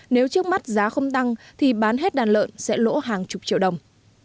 nếu trước mắt giá không tăng thì bán hết đàn lợn sẽ lỗ hàng chục triệu đồng